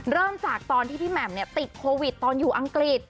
เริ่มจากตอนที่พี่แหม่มติดโควิดตอนอยู่อังกฤษ